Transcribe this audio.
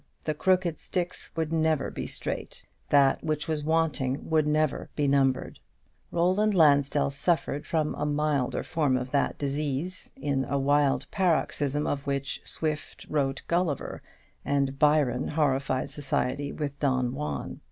The crooked sticks would never be straight: that which was wanting would never be numbered. Roland Lansdell suffered from a milder form of that disease in a wild paroxysm of which Swift wrote "Gulliver," and Byron horrified society with "Don Juan."